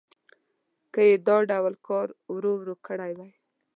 که یې دا ډول کار ورو ورو کړی وای.